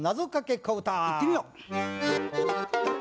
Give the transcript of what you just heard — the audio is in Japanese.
いってみよう！